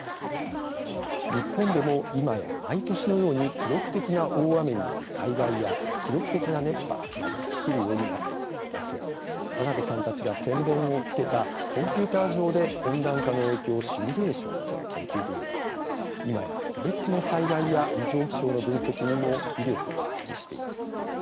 日本でも今や毎年のように記録的な大雨による災害や記録的な熱波などが起きるようになってきていますが真鍋さんたちが先べんをつけたコンピューター上で温暖化の影響をシミュレーションする研究分野は今や個別の災害や異常気象の分析にも威力を発揮しています。